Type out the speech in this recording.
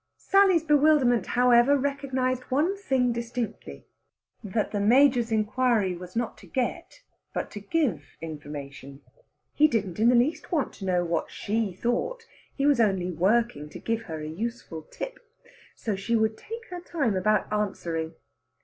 Sally's bewilderment, however, recognised one thing distinctly that the Major's inquiry was not to get, but to give, information. He didn't the least want to know what she thought; he was only working to give her a useful tip. So she would take her time about answering.